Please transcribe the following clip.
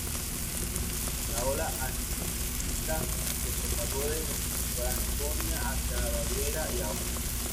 La ola antisemita se propagó desde Franconia hacia Baviera y Austria.